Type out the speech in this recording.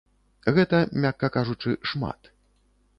Гэта, мякка кажучы, шмат.